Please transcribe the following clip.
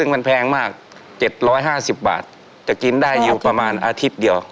ราคา๗๕๐บาทจะกินได้อยู่ประมาณอาทิตย์เดียว